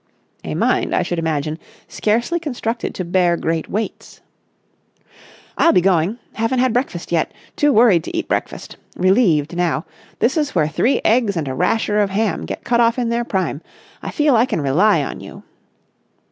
"A mind, I should imagine, scarcely constructed to bear great weights." "I'll be going. Haven't had breakfast yet. Too worried to eat breakfast. Relieved now. This is where three eggs and a rasher of ham get cut off in their prime. I feel I can rely on you."